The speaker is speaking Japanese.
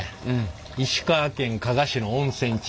石川県加賀市の温泉地